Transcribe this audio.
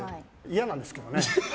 嫌なんですけどね。